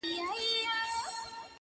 بې منزله مساپره خیر دي نسته په بېړۍ کي.!